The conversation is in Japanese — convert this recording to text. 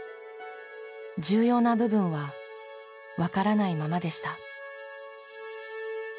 重要な部分はわからないままでした。